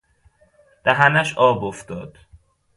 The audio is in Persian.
دهنش آب افتاد